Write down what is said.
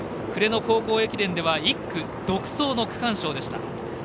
暮れの高校駅伝では１区独走の区間賞でした。